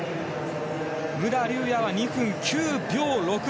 武良竜也は２分９秒６９。